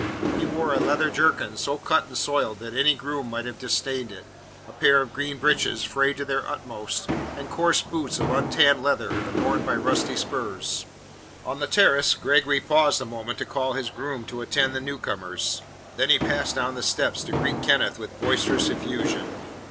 He wore a leather jerkin, so cut and soiled that any groom might have disdained it; a pair of green breeches, frayed to their utmost; and coarse boots of untanned leather, adorned by rusty spurs. On the terrace Gregory paused a moment to call his groom to attend the new comers, then he passed down the steps to greet Kenneth with boisterous effusion.